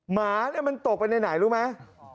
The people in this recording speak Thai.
หมาเนี่ยมันตกไปไหนรู้ไหม